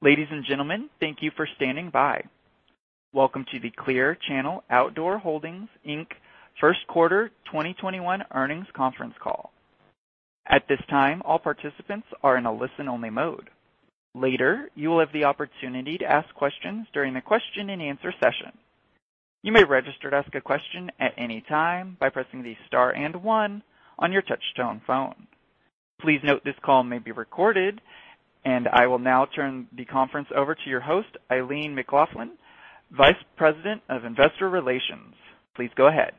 Ladies and gentlemen, thank you for standing by. Welcome to the Clear Channel Outdoor Holdings, Inc. First Quarter 2021 Earnings Conference Call. At this time, all participants are in a listen-only mode. Later, you will have the opportunity to ask questions during the question and answer session. You may register to ask a question at any time by pressing the star and one on your touch-tone phone. Please note this call may be recorded, and I will now turn the conference over to your host, Eileen McLaughlin, Vice President of Investor Relations. Please go ahead.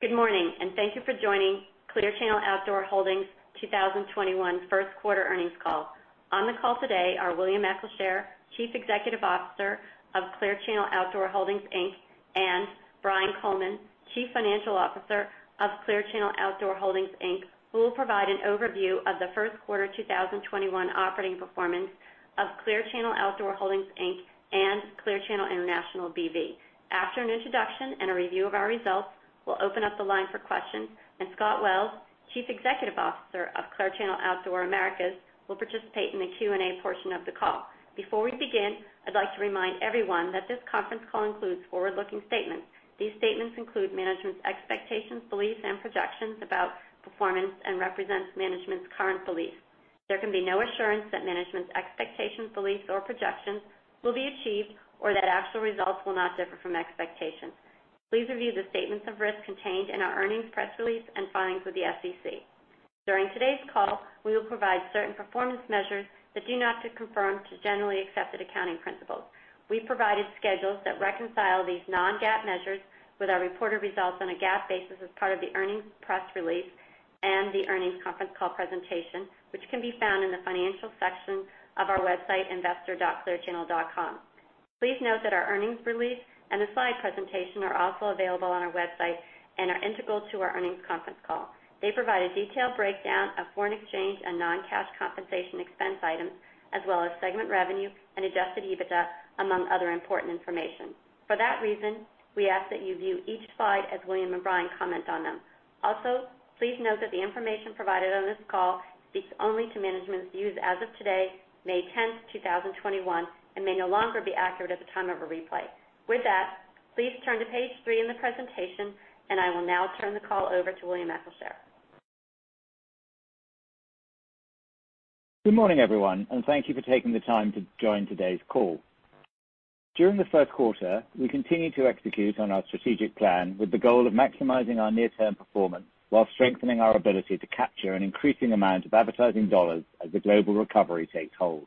Good morning. Thank you for joining Clear Channel Outdoor Holdings, Inc. 2021 first quarter earnings call. On the call today are William Eccleshare, Chief Executive Officer of Clear Channel Outdoor Holdings, Inc., and Brian Coleman, Chief Financial Officer of Clear Channel Outdoor Holdings, Inc., who will provide an overview of the first quarter 2021 operating performance of Clear Channel Outdoor Holdings, Inc. and Clear Channel International BV. After an introduction and a review of our results, we'll open up the line for questions, and Scott Wells, Chief Executive Officer of Clear Channel Outdoor Americas, will participate in the Q&A portion of the call. Before we begin, I'd like to remind everyone that this conference call includes forward-looking statements. These statements include management's expectations, beliefs, and projections about performance and represents management's current beliefs. There can be no assurance that management's expectations, beliefs, or projections will be achieved or that actual results will not differ from expectations. Please review the statements of risk contained in our earnings press release and filings with the SEC. During today's call, we will provide certain performance measures that do not conform to generally accepted accounting principles. We've provided schedules that reconcile these non-GAAP measures with our reported results on a GAAP basis as part of the earnings press release and the earnings conference call presentation, which can be found in the financial section of our website, investor.clearchannel.com. Please note that our earnings release and the slide presentation are also available on our website and are integral to our earnings conference call. They provide a detailed breakdown of foreign exchange and non-cash compensation expense items, as well as segment revenue and Adjusted EBITDA, among other important information. For that reason, we ask that you view each slide as William and Brian comment on them. Also, please note that the information provided on this call speaks only to management's views as of today, May 10th, 2021, and may no longer be accurate at the time of a replay. With that, please turn to page three in the presentation, I will now turn the call over to William Eccleshare. Good morning, everyone, and thank you for taking the time to join today's call. During the first quarter, we continued to execute on our strategic plan with the goal of maximizing our near-term performance while strengthening our ability to capture an increasing amount of advertising dollars as the global recovery takes hold.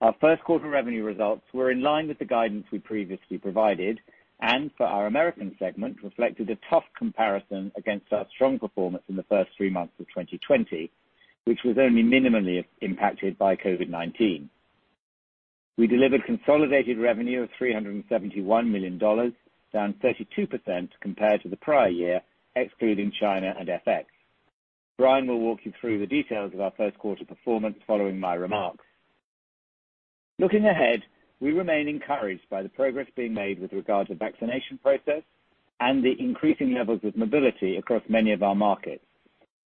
Our first quarter revenue results were in line with the guidance we previously provided, and for our American segment, reflected a tough comparison against our strong performance in the first three months of 2020, which was only minimally impacted by COVID-19. We delivered consolidated revenue of $371 million, down 32% compared to the prior year, excluding China and FX. Brian will walk you through the details of our first quarter performance following my remarks. Looking ahead, we remain encouraged by the progress being made with regard to vaccination process and the increasing levels of mobility across many of our markets,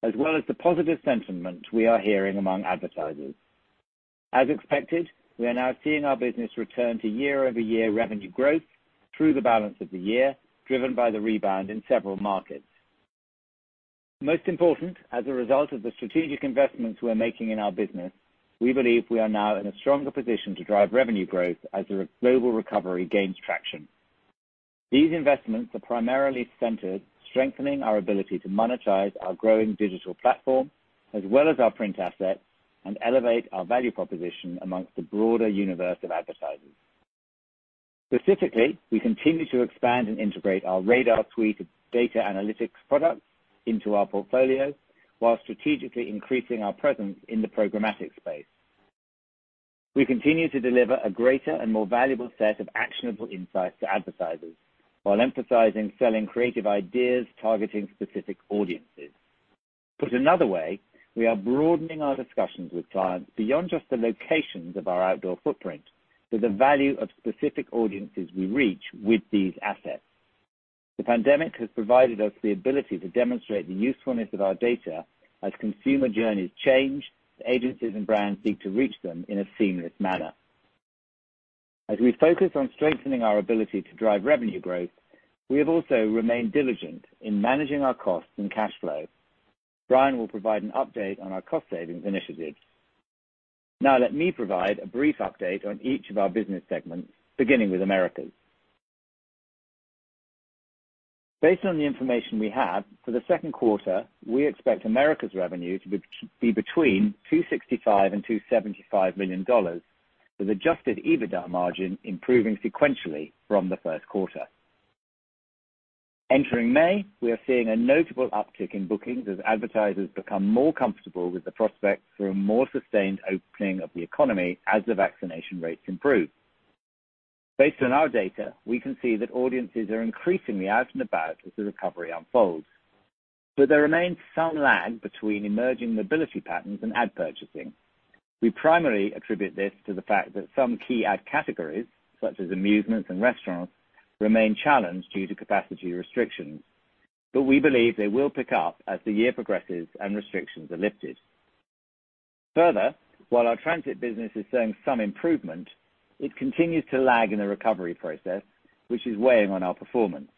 as well as the positive sentiment we are hearing among advertisers. As expected, we are now seeing our business return to year-over-year revenue growth through the balance of the year, driven by the rebound in several markets. Most important, as a result of the strategic investments we're making in our business, we believe we are now in a stronger position to drive revenue growth as the global recovery gains traction. These investments are primarily centered, strengthening our ability to monetize our growing digital platform as well as our print assets and elevate our value proposition amongst the broader universe of advertisers. Specifically, we continue to expand and integrate our RADAR suite of data analytics products into our portfolios while strategically increasing our presence in the programmatic space. We continue to deliver a greater and more valuable set of actionable insights to advertisers while emphasizing selling creative ideas targeting specific audiences. Put another way, we are broadening our discussions with clients beyond just the locations of our outdoor footprint to the value of specific audiences we reach with these assets. The pandemic has provided us the ability to demonstrate the usefulness of our data as consumer journeys change, as agencies and brands seek to reach them in a seamless manner. As we focus on strengthening our ability to drive revenue growth, we have also remained diligent in managing our costs and cash flow. Brian will provide an update on our cost savings initiatives. Let me provide a brief update on each of our business segments, beginning with Americas. Based on the information we have, for the second quarter, we expect Americas revenue to be between $265 million and $275 million, with Adjusted EBITDA margin improving sequentially from the first quarter. Entering May, we are seeing a notable uptick in bookings as advertisers become more comfortable with the prospects for a more sustained opening of the economy as the vaccination rates improve. Based on our data, we can see that audiences are increasingly out and about as the recovery unfolds, there remains some lag between emerging mobility patterns and ad purchasing. We primarily attribute this to the fact that some key ad categories, such as amusements and restaurants, remain challenged due to capacity restrictions. We believe they will pick up as the year progresses and restrictions are lifted. Further, while our transit business is showing some improvement, it continues to lag in the recovery process, which is weighing on our performance.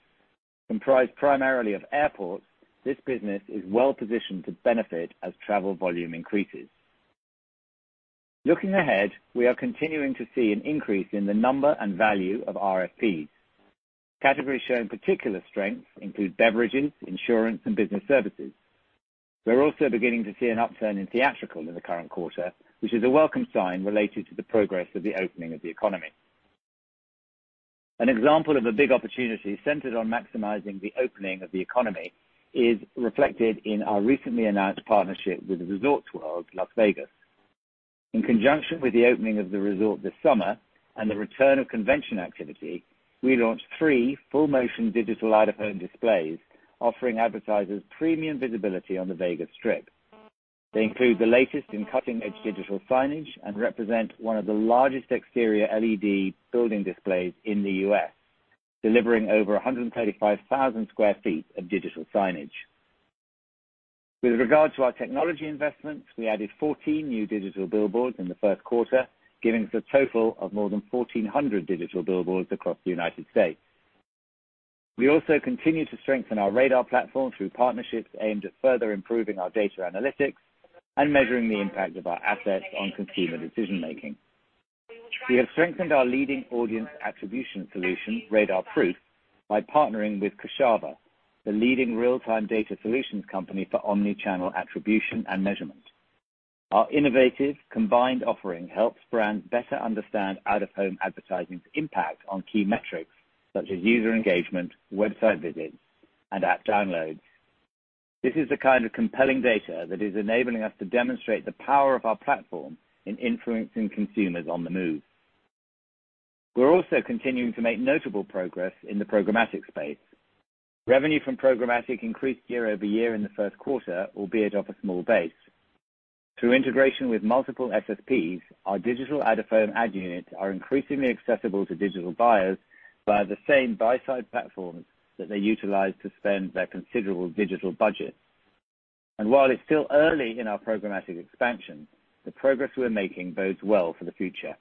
Comprised primarily of airports, this business is well positioned to benefit as travel volume increases. Looking ahead, we are continuing to see an increase in the number and value of RFPs. Categories showing particular strength include beverages, insurance, and business services. We're also beginning to see an upturn in theatrical in the current quarter, which is a welcome sign related to the progress of the opening of the economy. An example of a big opportunity centered on maximizing the opening of the economy is reflected in our recently announced partnership with the Resorts World Las Vegas. In conjunction with the opening of the resort this summer and the return of convention activity, we launched three full motion digital out-of-home displays, offering advertisers premium visibility on the Vegas Strip. They include the latest in cutting-edge digital signage and represent one of the largest exterior LED building displays in the U.S., delivering over 135,000 sq ft of digital signage. With regard to our technology investments, we added 14 new digital billboards in the first quarter, giving us a total of more than 1,400 digital billboards across the United States. We also continue to strengthen our RADAR platform through partnerships aimed at further improving our data analytics and measuring the impact of our assets on consumer decision-making. We have strengthened our leading audience attribution solution, RADARProof, by partnering with Kochava, the leading real-time data solutions company for omnichannel attribution and measurement. Our innovative combined offering helps brands better understand out-of-home advertising's impact on key metrics such as user engagement, website visits, and app downloads. This is the kind of compelling data that is enabling us to demonstrate the power of our platform in influencing consumers on the move. We're also continuing to make notable progress in the programmatic space. Revenue from programmatic increased year-over-year in the first quarter, albeit off a small base. Through integration with multiple SSPs, our digital out-of-home ad units are increasingly accessible to digital buyers via the same buy-side platforms that they utilize to spend their considerable digital budgets. While it's still early in our programmatic expansion, the progress we're making bodes well for the future.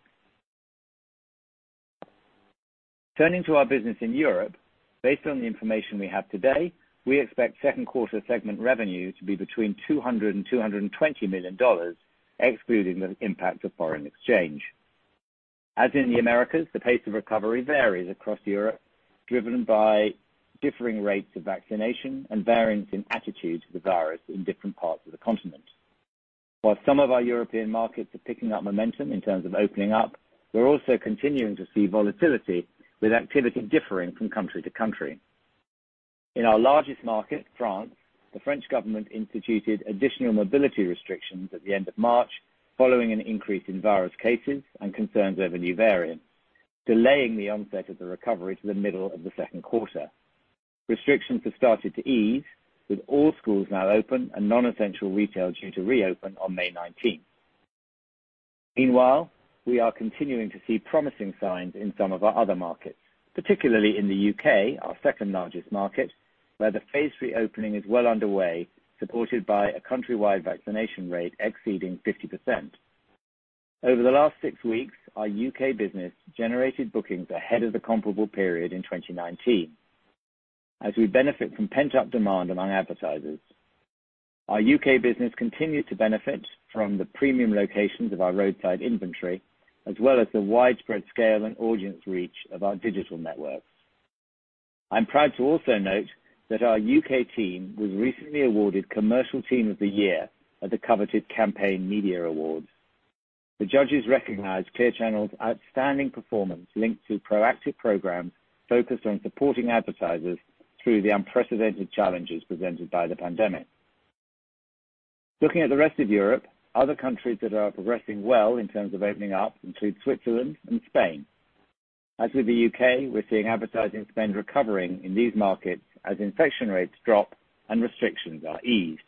Turning to our business in Europe, based on the information we have today, we expect second quarter segment revenue to be between $200 million and $220 million, excluding the impact of foreign exchange. As in the Americas, the pace of recovery varies across Europe, driven by differing rates of vaccination and variance in attitude to the virus in different parts of the continent. While some of our European markets are picking up momentum in terms of opening up, we're also continuing to see volatility, with activity differing from country to country. In our largest market, France, the French government instituted additional mobility restrictions at the end of March following an increase in virus cases and concerns over new variants, delaying the onset of the recovery to the middle of the second quarter. Restrictions have started to ease, with all schools now open and non-essential retail due to reopen on May 19th. Meanwhile, we are continuing to see promising signs in some of our other markets, particularly in the U.K., our second largest market, where the phase reopening is well underway, supported by a countrywide vaccination rate exceeding 50%. Over the last six weeks, our U.K. business generated bookings ahead of the comparable period in 2019 as we benefit from pent-up demand among advertisers. Our U.K. business continued to benefit from the premium locations of our roadside inventory, as well as the widespread scale and audience reach of our digital networks. I'm proud to also note that our U.K. team was recently awarded Commercial Team of the Year at the coveted Campaign Media Awards. The judges recognized Clear Channel's outstanding performance linked to proactive programs focused on supporting advertisers through the unprecedented challenges presented by the pandemic. Looking at the rest of Europe, other countries that are progressing well in terms of opening up include Switzerland and Spain. As with the U.K., we're seeing advertising spend recovering in these markets as infection rates drop and restrictions are eased.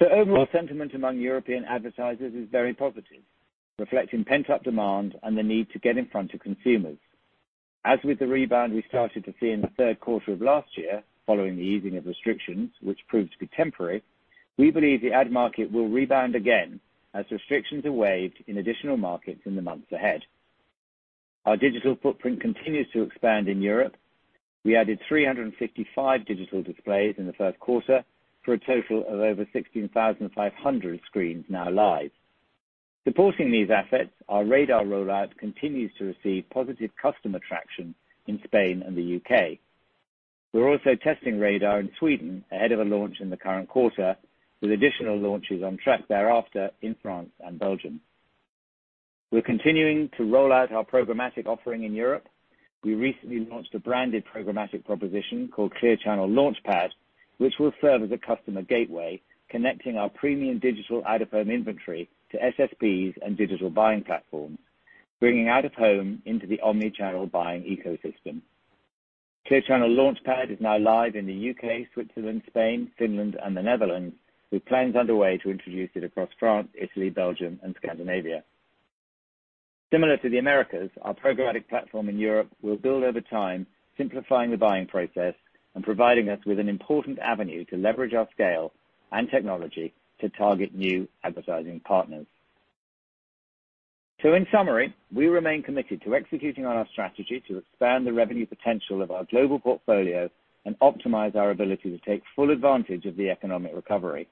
The overall sentiment among European advertisers is very positive, reflecting pent-up demand and the need to get in front of consumers. As with the rebound we started to see in the third quarter of last year, following the easing of restrictions, which proved to be temporary, we believe the ad market will rebound again as restrictions are waived in additional markets in the months ahead. Our digital footprint continues to expand in Europe. We added 355 digital displays in the first quarter, for a total of over 16,500 screens now live. Supporting these assets, our RADAR rollout continues to receive positive customer traction in Spain and the U.K. We're also testing RADAR in Sweden ahead of a launch in the current quarter, with additional launches on track thereafter in France and Belgium. We're continuing to roll out our programmatic offering in Europe. We recently launched a branded programmatic proposition called Clear Channel LaunchPAD, which will serve as a customer gateway, connecting our premium digital out -of-home inventory to SSPs and digital buying platforms, bringing out-of-home into the omnichannel buying ecosystem. Clear Channel LaunchPAD is now live in the U.K., Switzerland, Spain, Finland, and the Netherlands, with plans underway to introduce it across France, Italy, Belgium, and Scandinavia. Similar to the Americas, our programmatic platform in Europe will build over time, simplifying the buying process and providing us with an important avenue to leverage our scale and technology to target new advertising partners. In summary, we remain committed to executing on our strategy to expand the revenue potential of our global portfolio and optimize our ability to take full advantage of the economic recovery.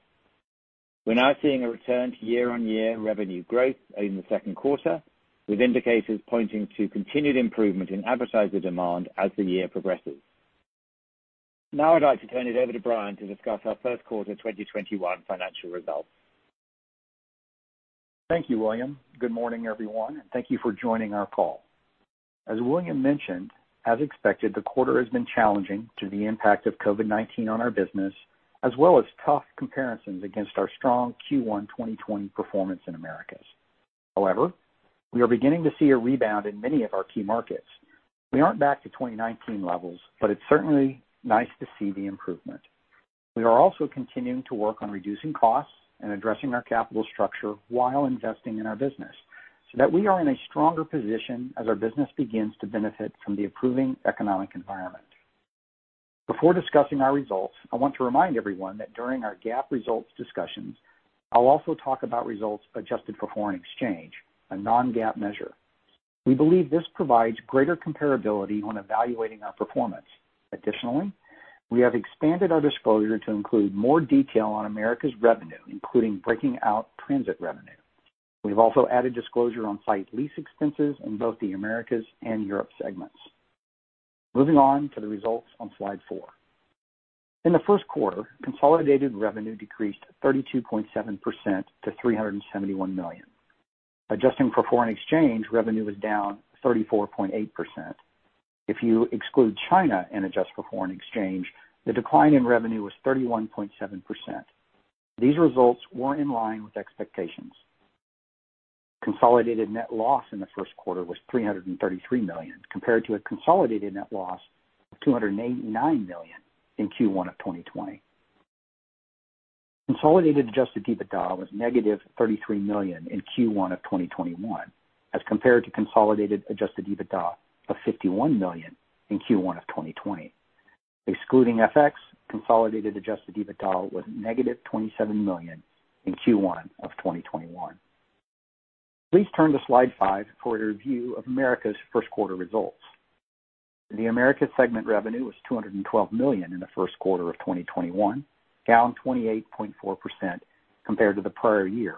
We're now seeing a return to year-on-year revenue growth in the second quarter, with indicators pointing to continued improvement in advertiser demand as the year progresses. I'd like to turn it over to Brian to discuss our first quarter 2021 financial results. Thank you, William. Good morning, everyone, and thank you for joining our call. As William mentioned, as expected, the quarter has been challenging due to the impact of COVID-19 on our business, as well as tough comparisons against our strong Q1 2020 performance in Americas. However, we are beginning to see a rebound in many of our key markets. We aren't back to 2019 levels, but it's certainly nice to see the improvement. We are also continuing to work on reducing costs and addressing our capital structure while investing in our business so that we are in a stronger position as our business begins to benefit from the improving economic environment. Before discussing our results, I want to remind everyone that during our GAAP results discussions, I'll also talk about results adjusted for foreign exchange, a non-GAAP measure. We believe this provides greater comparability when evaluating our performance. Additionally, we have expanded our disclosure to include more detail on Americas revenue, including breaking out transit revenue. We've also added disclosure on site lease expenses in both the Americas and Europe segments. Moving on to the results on slide four. In the first quarter, consolidated revenue decreased 32.7% to $371 million. Adjusting for foreign exchange, revenue was down 34.8%. If you exclude China and adjust for foreign exchange, the decline in revenue was 31.7%. These results were in line with expectations. Consolidated net loss in the first quarter was $333 million, compared to a consolidated net loss of $289 million in Q1 of 2020. Consolidated Adjusted EBITDA was negative $33 million in Q1 of 2021, as compared to consolidated Adjusted EBITDA of $51 million in Q1 of 2020. Excluding FX, consolidated Adjusted EBITDA was -$27 million in Q1 of 2021. Please turn to slide five for a review of Americas first quarter results. The Americas segment revenue was $212 million in the first quarter of 2021, down 28.4% compared to the prior year,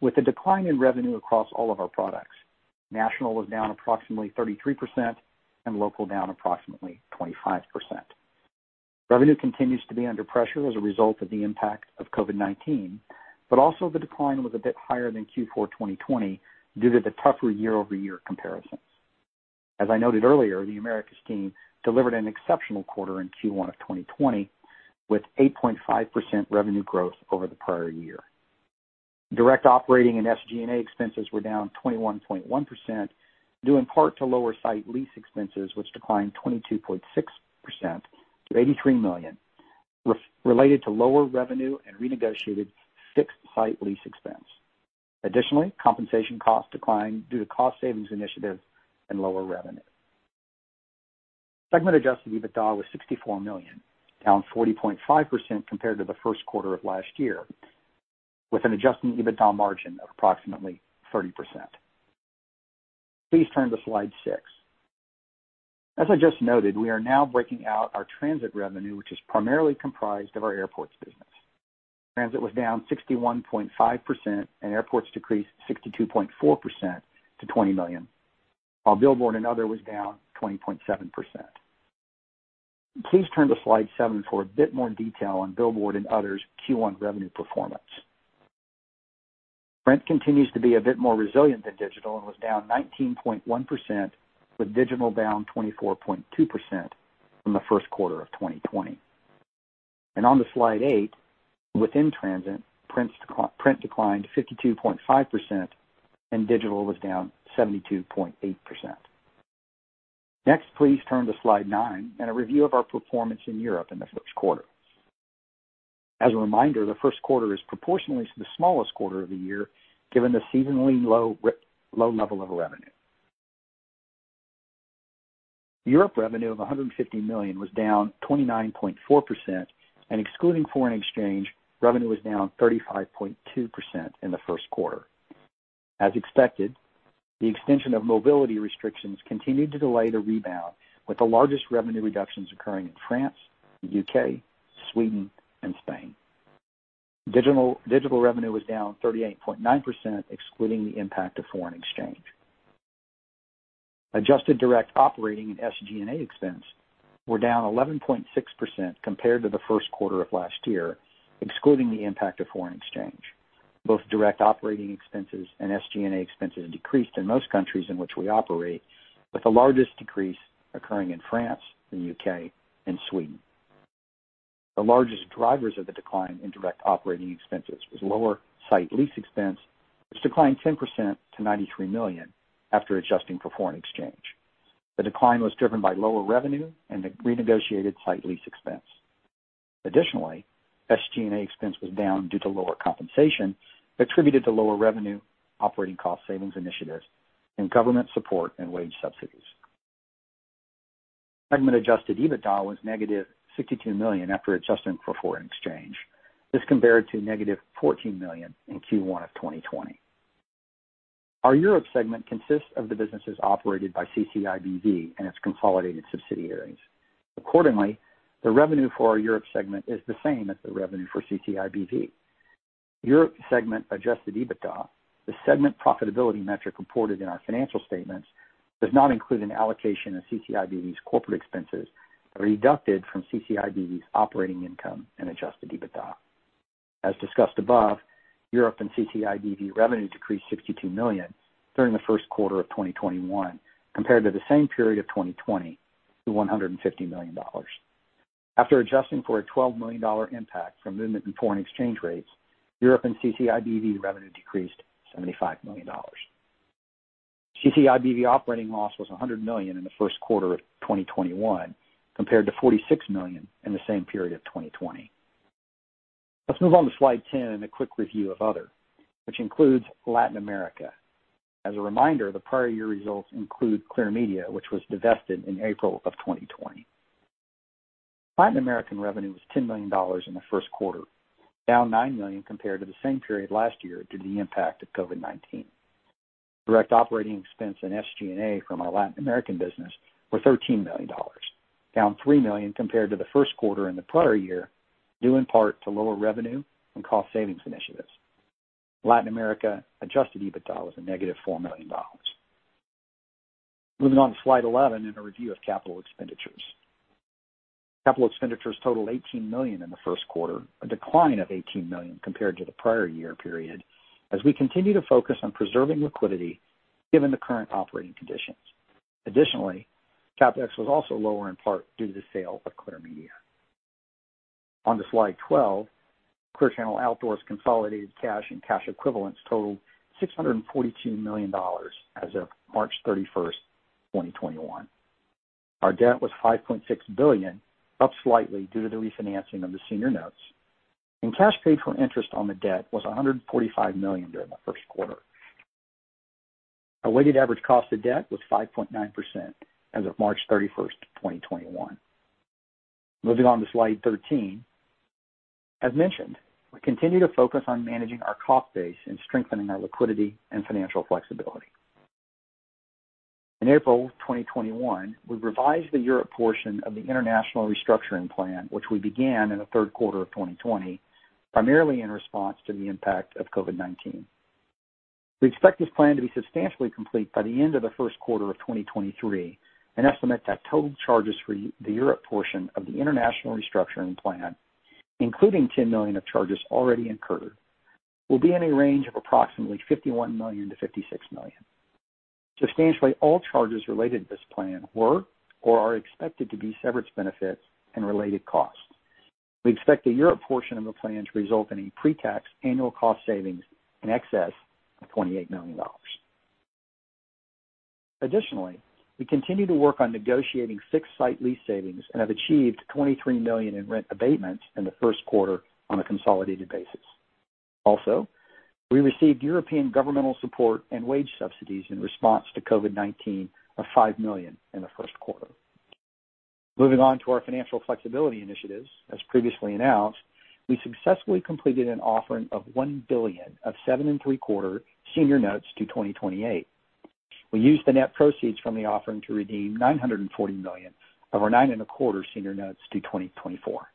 with a decline in revenue across all of our products. National was down approximately 33% and local down approximately 25%. Revenue continues to be under pressure as a result of the impact of COVID-19, also the decline was a bit higher than Q4 2020 due to the tougher year-over-year comparisons. As I noted earlier, the Americas team delivered an exceptional quarter in Q1 of 2020 with 8.5% revenue growth over the prior year. Direct operating and SG&A expenses were down 21.1%, due in part to lower site lease expenses, which declined 22.6% to $83 million, related to lower revenue and renegotiated fixed site lease expense. Additionally, compensation costs declined due to cost savings initiative and lower revenue. Segment Adjusted EBITDA was $64 million, down 40.5% compared to the first quarter of last year, with an Adjusted EBITDA margin of approximately 30%. Please turn to slide six. As I just noted, we are now breaking out our transit revenue, which is primarily comprised of our airports business. Transit was down 61.5%, and airports decreased 62.4% to $20 million, while billboard and other was down 20.7%. Please turn to slide seven for a bit more detail on billboard and others' Q1 revenue performance. Rent continues to be a bit more resilient than digital and was down 19.1%, with digital down 24.2% from the first quarter of 2020. On to slide eight, within transit, print declined 52.5%, and digital was down 72.8%. Next, please turn to slide nine and a review of our performance in Europe in the first quarter. As a reminder, the first quarter is proportionally the smallest quarter of the year, given the seasonally low level of revenue. Europe revenue of $150 million was down 29.4%, and excluding foreign exchange, revenue was down 35.2% in the first quarter. As expected, the extension of mobility restrictions continued to delay the rebound, with the largest revenue reductions occurring in France, the U.K., Sweden, and Spain. Digital revenue was down 38.9%, excluding the impact of foreign exchange. Adjusted direct operating and SG&A expense were down 11.6% compared to the first quarter of last year, excluding the impact of foreign exchange. Both direct operating expenses and SG&A expenses decreased in most countries in which we operate, with the largest decrease occurring in France, the U.K., and Sweden. The largest drivers of the decline in direct operating expenses was lower site lease expense, which declined 10% to $93 million after adjusting for foreign exchange. The decline was driven by lower revenue and the renegotiated site lease expense. Additionally, SG&A expense was down due to lower compensation attributed to lower revenue, operating cost savings initiatives, and government support and wage subsidies. Segment Adjusted EBITDA was negative $62 million after adjusting for foreign exchange. This compared to -$14 million in Q1 of 2020. Our Europe Segment consists of the businesses operated by CCIBV and its consolidated subsidiaries. Accordingly, the revenue for our Europe Segment is the same as the revenue for CCIBV. Europe Segment Adjusted EBITDA, the segment profitability metric reported in our financial statements, does not include an allocation of CCIBV's corporate expenses deducted from CCIBV's operating income and Adjusted EBITDA. As discussed above, Europe and CCIBV revenue decreased $62 million during the first quarter of 2021 compared to the same period of 2020 to $150 million. After adjusting for a $12 million impact from movement in foreign exchange rates, Europe and CCIBV revenue decreased $75 million. CCIBV operating loss was $100 million in the first quarter of 2021 compared to $46 million in the same period of 2020. Let's move on to slide 10 and a quick review of other, which includes Latin America. As a reminder, the prior year results include Clear Media, which was divested in April of 2020. Latin American revenue was $10 million in the first quarter, down $9 million compared to the same period last year due to the impact of COVID-19. Direct operating expense and SG&A from our Latin American business were $13 million, down $3 million compared to the first quarter in the prior year, due in part to lower revenue and cost-savings initiatives. Latin America Adjusted EBITDA was a -$4 million. Moving on to slide 11 and a review of capital expenditures. Capital expenditures totaled $18 million in the first quarter, a decline of $18 million compared to the prior year period as we continue to focus on preserving liquidity given the current operating conditions. Additionally, CapEx was also lower in part due to the sale of Clear Media. On to slide 12, Clear Channel Outdoor's consolidated cash and cash equivalents totaled $642 million as of March 31st, 2021. Our debt was $5.6 billion, up slightly due to the refinancing of the senior notes. Cash paid for interest on the debt was $145 million during the first quarter. Our weighted average cost of debt was 5.9% as of March 31st, 2021. Moving on to slide 13. As mentioned, we continue to focus on managing our cost base and strengthening our liquidity and financial flexibility. In April 2021, we revised the Europe portion of the international restructuring plan which we began in the third quarter of 2020, primarily in response to the impact of COVID-19. We expect this plan to be substantially complete by the end of the first quarter of 2023, and estimate that total charges for the Europe portion of the international restructuring plan, including $10 million of charges already incurred, will be in a range of approximately $51 million-$56 million. Substantially all charges related to this plan were or are expected to be severance benefits and related costs. We expect the Europe portion of the plan to result in a pre-tax annual cost savings in excess of $28 million. Additionally, we continue to work on negotiating six site lease savings and have achieved $23 million in rent abatements in the first quarter on a consolidated basis. Also, we received European governmental support and wage subsidies in response to COVID-19 of $5 million in the first quarter. Moving on to our financial flexibility initiatives. As previously announced, we successfully completed an offering of $1 billion of 7.75% senior notes due 2028. We used the net proceeds from the offering to redeem $940 million of our 9.25% senior notes due 2024.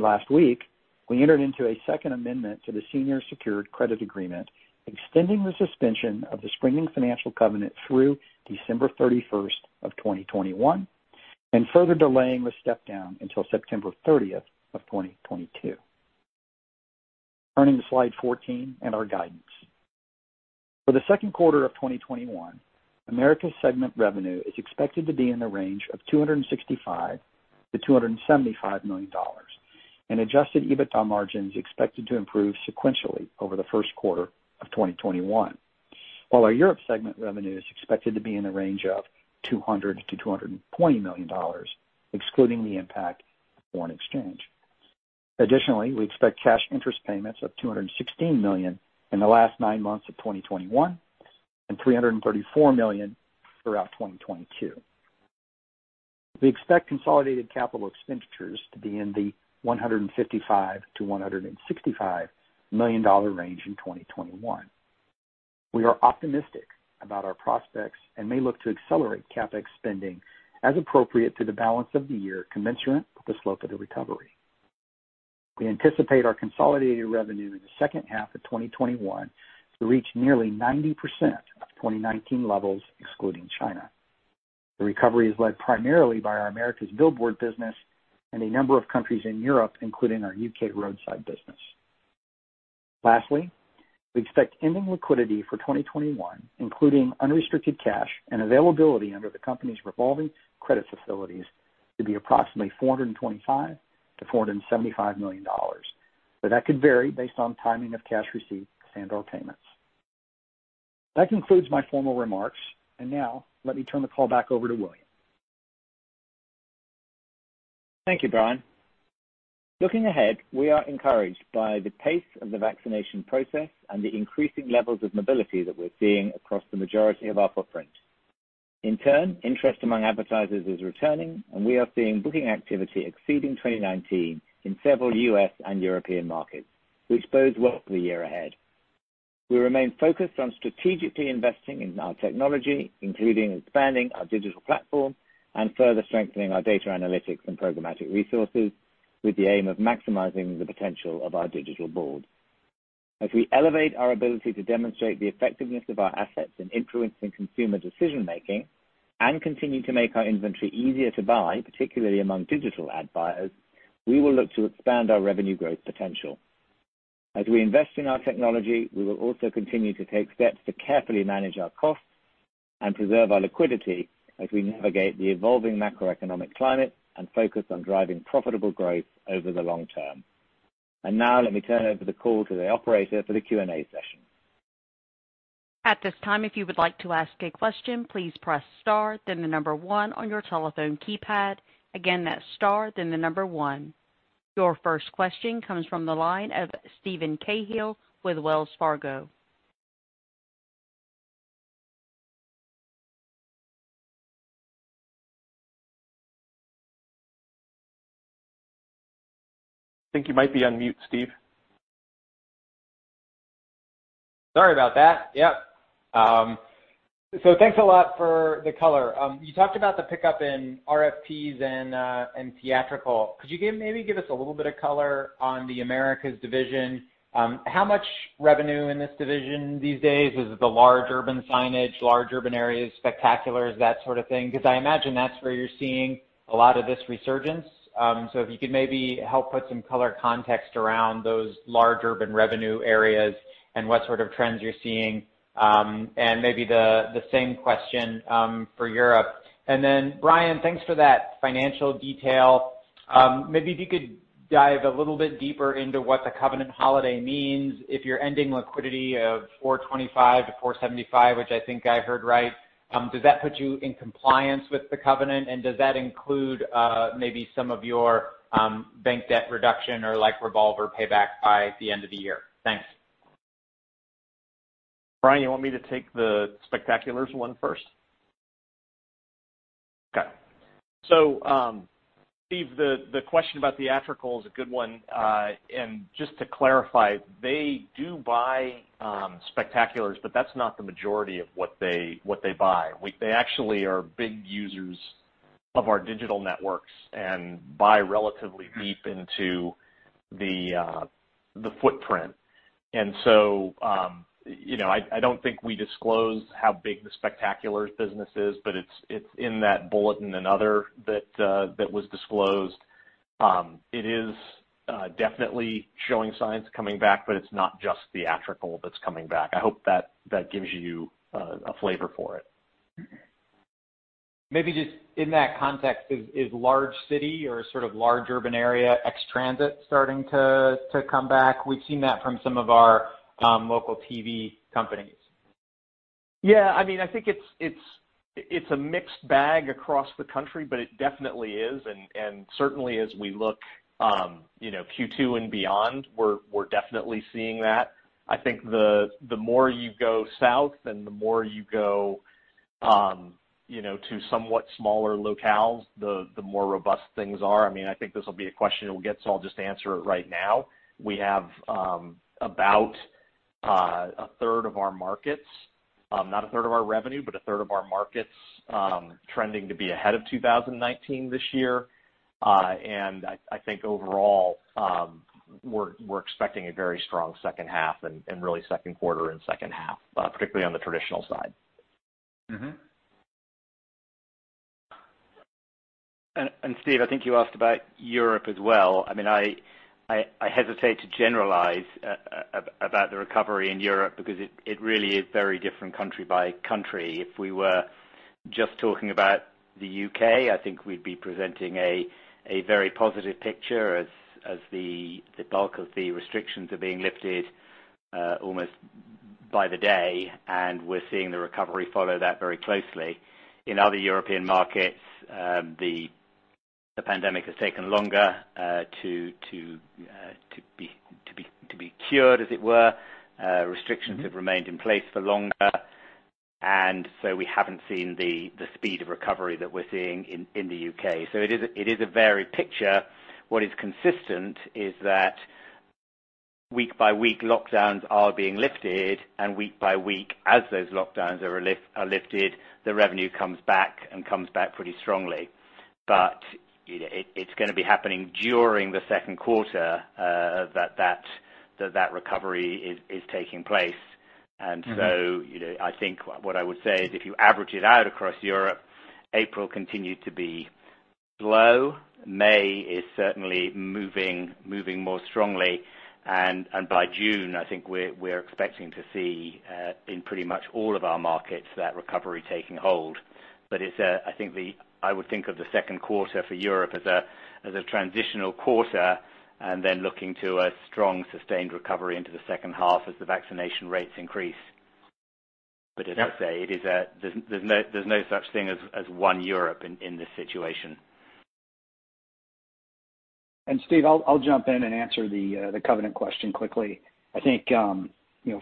Last week, we entered into a second amendment to the senior secured credit agreement, extending the suspension of the springing financial covenant through December 31st of 2021 and further delaying the step down until September 30th of 2022. Turning to slide 14 and our guidance. For the second quarter of 2021, Americas Segment revenue is expected to be in the range of $265 million-$275 million, and Adjusted EBITDA margin is expected to improve sequentially over the first quarter of 2021. Our Europe Segment revenue is expected to be in the range of $200 million-$220 million, excluding the impact of foreign exchange. Additionally, we expect cash interest payments of $216 million in the last nine months of 2021 and $334 million throughout 2022. We expect consolidated capital expenditures to be in the $155 million-$165 million range in 2021. We are optimistic about our prospects and may look to accelerate CapEx spending as appropriate to the balance of the year commensurate with the slope of the recovery. We anticipate our consolidated revenue in the second half of 2021 to reach nearly 90% of 2019 levels, excluding China. The recovery is led primarily by our Americas billboard business and a number of countries in Europe, including our U.K. roadside business. Lastly, we expect ending liquidity for 2021, including unrestricted cash and availability under the company's revolving credit facilities, to be approximately $425 million-$475 million. That could vary based on timing of cash receipts and/or payments. That concludes my formal remarks. Now let me turn the call back over to William. Thank you, Brian. Looking ahead, we are encouraged by the pace of the vaccination process and the increasing levels of mobility that we're seeing across the majority of our footprint. In turn, interest among advertisers is returning, and we are seeing booking activity exceeding 2019 in several U.S. and European markets, which bodes well for the year ahead. We remain focused on strategically investing in our technology, including expanding our digital platform and further strengthening our data analytics and programmatic resources with the aim of maximizing the potential of our digital board. As we elevate our ability to demonstrate the effectiveness of our assets in influencing consumer decision-making and continue to make our inventory easier to buy, particularly among digital ad buyers, we will look to expand our revenue growth potential. As we invest in our technology, we will also continue to take steps to carefully manage our costs and preserve our liquidity as we navigate the evolving macroeconomic climate and focus on driving profitable growth over the long term. Let me turn over the call to the operator for the Q&A session. At this time, if you want to ask a question, please press star, then the number one on your telephone keypad. Again, that star, then the number one. Your first question comes from the line of Steven Cahall with Wells Fargo. I think you might be on mute, Steve. Sorry about that. Yep. Thanks a lot for the color. You talked about the pickup in RFPs and theatrical. Could you maybe give us a little bit of color on the Americas division? How much revenue in this division these days? Is it the large urban signage, large urban areas, spectaculars, that sort of thing? I imagine that's where you're seeing a lot of this resurgence. If you could maybe help put some color context around those large urban revenue areas and what sort of trends you're seeing, and maybe the same question for Europe. Brian, thanks for that financial detail. Maybe if you could dive a little bit deeper into what the covenant holiday means if you're ending liquidity of $425 million-$475 million, which I think I heard right. Does that put you in compliance with the covenant? Does that include maybe some of your bank debt reduction or revolver payback by the end of the year? Thanks. Brian, you want me to take the spectaculars one first? Okay. Steve, the question about theatrical is a good one. Just to clarify, they do buy spectaculars, but that's not the majority of what they buy. They actually are big users of our digital networks and buy relatively deep into the footprint. I don't think we disclosed how big the spectaculars business is, but it's in that bulletin and other that was disclosed. It is definitely showing signs coming back, but it's not just theatrical that's coming back. I hope that gives you a flavor for it. Maybe just in that context, is large city or sort of large urban area ex-transit starting to come back? We've seen that from some of our local TV companies. Yeah, I think it's a mixed bag across the country, but it definitely is. Certainly, as we look Q2 and beyond, we're definitely seeing that. I think the more you go south and the more you go to somewhat smaller locales, the more robust things are. I think this will be a question we'll get, so I'll just answer it right now. We have about 1/3 of our markets, not 1/3 of our revenue, but 1/3 of our markets trending to be ahead of 2019 this year. I think overall, we're expecting a very strong second half and really second quarter and second half, particularly on the traditional side. Steve, I think you asked about Europe as well. I hesitate to generalize about the recovery in Europe because it really is very different country by country. If we were just talking about the U.K., I think we'd be presenting a very positive picture as the bulk of the restrictions are being lifted almost by the day, and we're seeing the recovery follow that very closely. In other European markets, the pandemic has taken longer to be cured, as it were. Restrictions have remained in place for longer. We haven't seen the speed of recovery that we're seeing in the U.K. It is a varied picture. What is consistent is that week by week, lockdowns are being lifted, and week by week, as those lockdowns are lifted, the revenue comes back and comes back pretty strongly. It's going to be happening during the second quarter that that recovery is taking place. I think what I would say is if you average it out across Europe, April continued to be low. May is certainly moving more strongly. By June, I think we're expecting to see, in pretty much all of our markets, that recovery taking hold. I would think of the second quarter for Europe as a transitional quarter, and then looking to a strong, sustained recovery into the second half as the vaccination rates increase. As I say, there's no such thing as one Europe in this situation. Steve, I'll jump in and answer the covenant question quickly.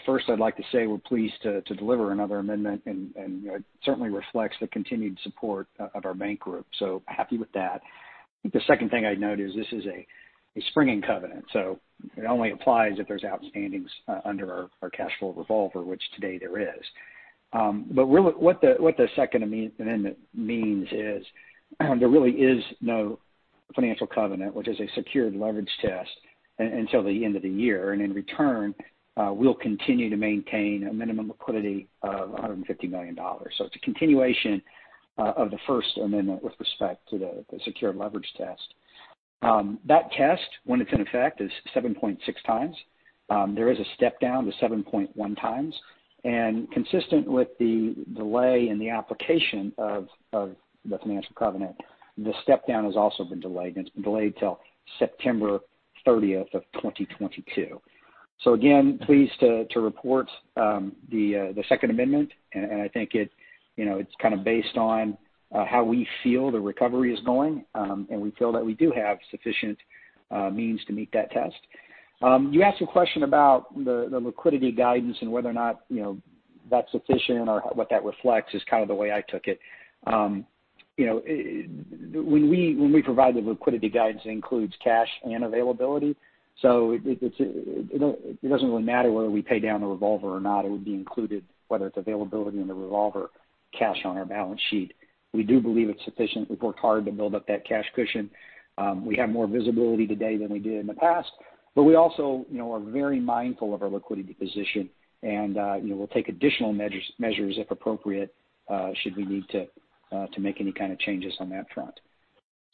First, I'd like to say we're pleased to deliver another amendment, and it certainly reflects the continued support of our bank group, happy with that. The second thing I'd note is this is a springing covenant, it only applies if there's outstandings under our cash flow revolver, which today there is. Really what the second amendment means is there really is no financial covenant, which is a secured leverage test, until the end of the year. In return, we'll continue to maintain a minimum liquidity of $150 million. It's a continuation of the first amendment with respect to the secured leverage test. That test, when it's in effect, is 7.6x. There is a step-down to 7.1x. Consistent with the delay in the application of the financial covenant, the step-down has also been delayed, and it's been delayed till September 30th of 2022. Again, pleased to report the second amendment, and I think it's kind of based on how we feel the recovery is going, and we feel that we do have sufficient means to meet that test. You asked a question about the liquidity guidance and whether or not that's sufficient or what that reflects is kind of the way I took it. When we provide the liquidity guidance, it includes cash and availability. It doesn't really matter whether we pay down the revolver or not, it would be included, whether it's availability in the revolver, cash on our balance sheet. We do believe it's sufficient. We've worked hard to build up that cash cushion. We have more visibility today than we did in the past, but we also are very mindful of our liquidity position and we'll take additional measures if appropriate, should we need to make any kind of changes on that front.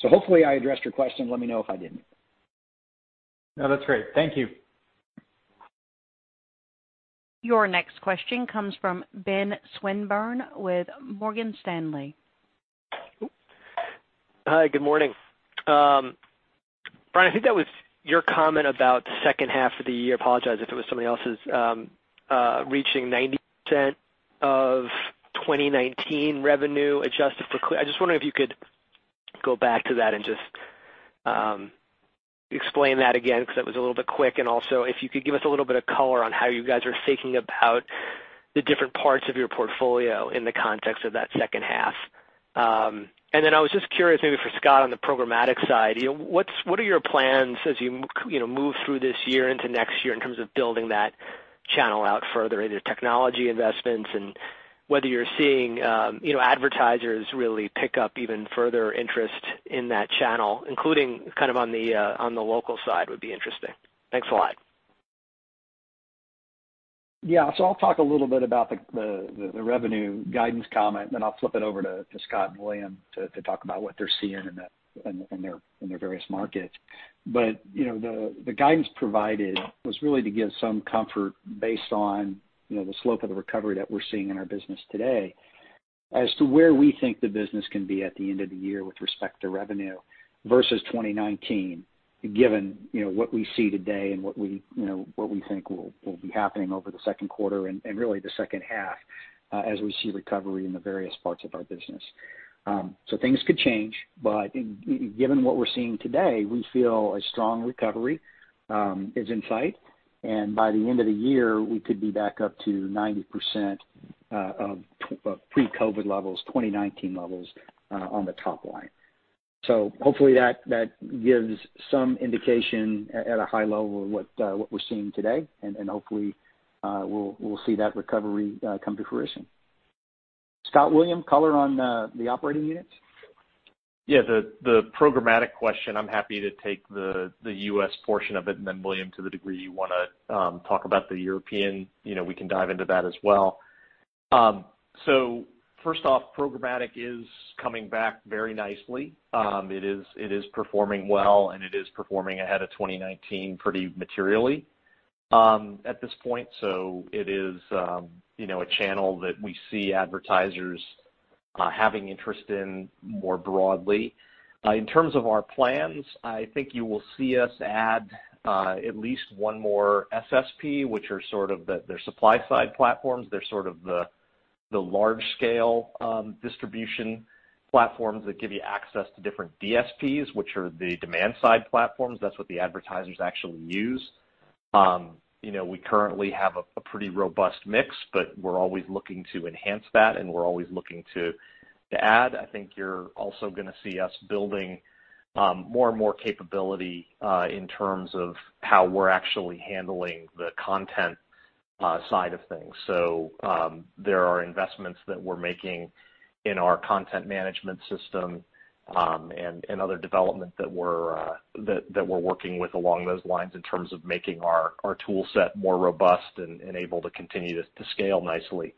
Hopefully I addressed your question. Let me know if I didn't. No, that's great. Thank you. Your next question comes from Ben Swinburne with Morgan Stanley. Hi, good morning. Brian, I think that was your comment about the second half of the year, apologize if it was somebody else's, reaching 90% of 2019 revenue adjusted for. I just wonder if you could go back to that and just explain that again, because that was a little bit quick and also if you could give us a little bit of color on how you guys are thinking about the different parts of your portfolio in the context of that second half. I was just curious maybe for Scott on the programmatic side, what are your plans as you move through this year into next year in terms of building that channel out further, either technology investments and whether you're seeing advertisers really pick up even further interest in that channel, including kind of on the local side, would be interesting. Thanks a lot. Yeah. I'll talk a little bit about the revenue guidance comment, and then I'll flip it over to Scott and William to talk about what they're seeing in their various markets. The guidance provided was really to give some comfort based on the slope of the recovery that we're seeing in our business today as to where we think the business can be at the end of the year with respect to revenue versus 2019, given what we see today and what we think will be happening over the second quarter and really the second half, as we see recovery in the various parts of our business. Things could change, but I think given what we're seeing today, we feel a strong recovery is in sight, and by the end of the year, we could be back up to 90% of pre-COVID-19 levels, 2019 levels, on the top line. Hopefully that gives some indication at a high level of what we're seeing today and hopefully we'll see that recovery come to fruition. Scott, William, color on the operating units? The programmatic question, I'm happy to take the U.S. portion of it and then William, to the degree you want to talk about the European, we can dive into that as well. First off, programmatic is coming back very nicely. It is performing well, and it is performing ahead of 2019 pretty materially at this point. It is a channel that we see advertisers having interest in more broadly. In terms of our plans, I think you will see us add at least one more SSP, which are sort of the Supply-Side Platforms. They're sort of the large-scale distribution platforms that give you access to different DSPs, which are the Demand-Side Platforms. That's what the advertisers actually use. We currently have a pretty robust mix, but we're always looking to enhance that, and we're always looking to add. I think you're also going to see us building more and more capability in terms of how we're actually handling the content side of things. There are investments that we're making in our content management system, and other development that we're working with along those lines in terms of making our tool set more robust and able to continue to scale nicely.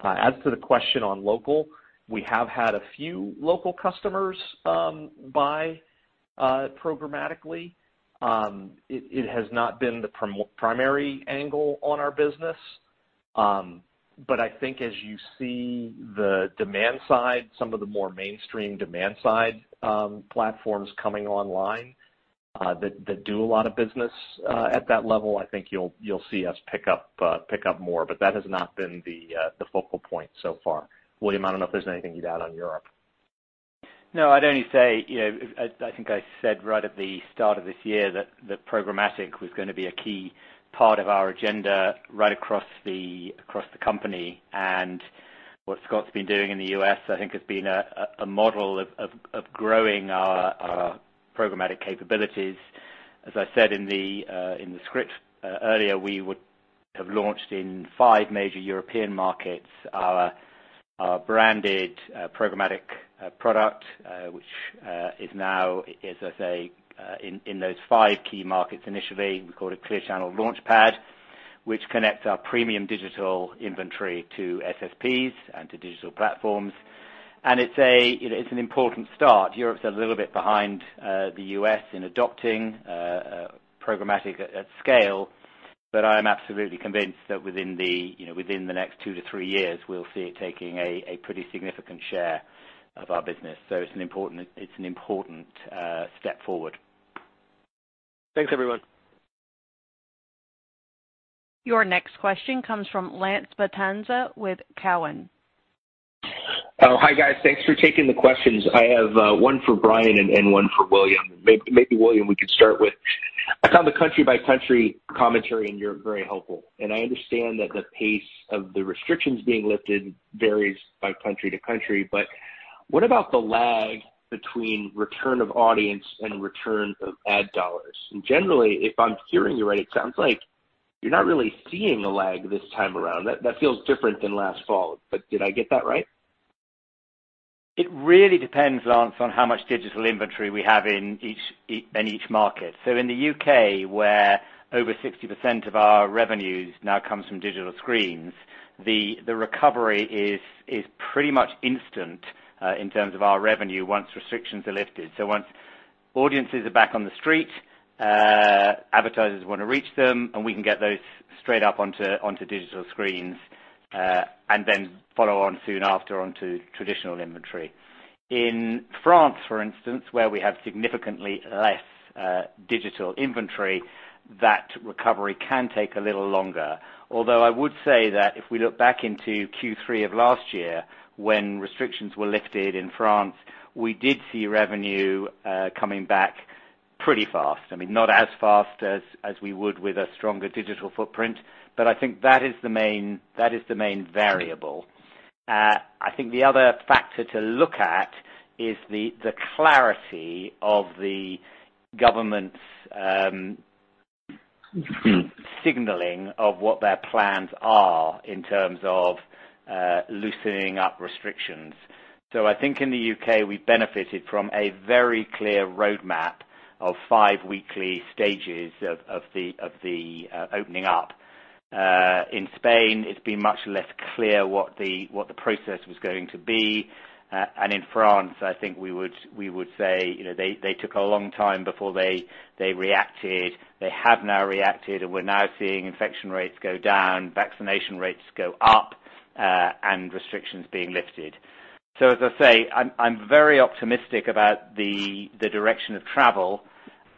As to the question on local, we have had a few local customers buy programmatically. It has not been the primary angle on our business. I think as you see the demand side, some of the more mainstream demand-side platforms coming online that do a lot of business at that level, I think you'll see us pick up more. That has not been the focal point so far. William, I don't know if there's anything you'd add on Europe. No, I'd only say, I think I said right at the start of this year that programmatic was going to be a key part of our agenda right across the company. What Scott's been doing in the U.S., I think has been a model of growing our programmatic capabilities. As I said in the script earlier, we would have launched in five major European markets, our branded programmatic product, which is now, as I say, in those five key markets initially. We call it Clear Channel LaunchPAD, which connects our premium digital inventory to SSPs and to digital platforms. It's an important start. Europe's a little bit behind the U.S. in adopting programmatic at scale, but I am absolutely convinced that within the next two to three years, we'll see it taking a pretty significant share of our business. It's an important step forward. Thanks, everyone. Your next question comes from Lance Vitanza with Cowen. Hi, guys. Thanks for taking the questions. I have one for Brian and one for William. Maybe William, we could start with. I found the country-by-country commentary in Europe very helpful. I understand that the pace of the restrictions being lifted varies by country to country. What about the lag between return of audience and return of ad dollars? Generally, if I'm hearing you right, it sounds like you're not really seeing a lag this time around. That feels different than last fall. Did I get that right? It really depends, Lance, on how much digital inventory we have in each market. In the U.K., where over 60% of our revenues now comes from digital screens, the recovery is pretty much instant in terms of our revenue once restrictions are lifted. Once audiences are back on the street, advertisers want to reach them, and we can get those straight up onto digital screens, and then follow on soon after onto traditional inventory. In France, for instance, where we have significantly less digital inventory, that recovery can take a little longer. Although I would say that if we look back into Q3 of last year when restrictions were lifted in France, we did see revenue coming back pretty fast. I mean, not as fast as we would with a stronger digital footprint, but I think that is the main variable. I think the other factor to look at is the clarity of the government's signaling of what their plans are in terms of loosening up restrictions. I think in the U.K., we benefited from a very clear roadmap of five weekly stages of the opening up. In Spain, it's been much less clear what the process was going to be. In France, I think we would say, they took a long time before they reacted. They have now reacted, and we're now seeing infection rates go down, vaccination rates go up, and restrictions being lifted. As I say, I'm very optimistic about the direction of travel.